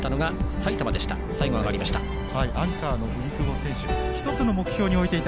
最後、上がりました。